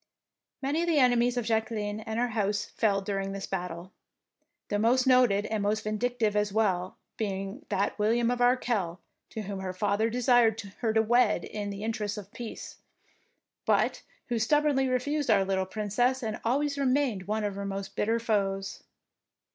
Many of the enemies of Jacqueline and her house fell during this battle, the most noted, and the most vindictive as well, being that William of Arkell to whom her father desired to wed her in the interests of peace, but who stub bornly refused our little Princess and always remained one of her most bitter foes.